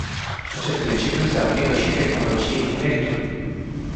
Acest principiu se aplică și tehnologiei mineritului.